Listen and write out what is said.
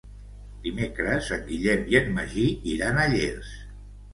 Dimecres en Guillem i en Magí iran a Llers.